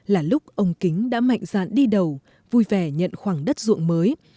là lúc ông kính đã mạnh dạn đi đầu vui vẻ nhận khoảng đất ruộng mới